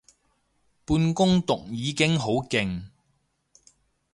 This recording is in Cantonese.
半工讀已經好勁